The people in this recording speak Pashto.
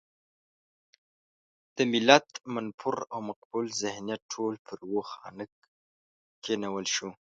د ملت منفور او مقبول ذهنیت ټول پر يوه خانک کېنول شو.